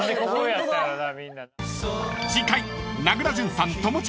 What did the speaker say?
［次回］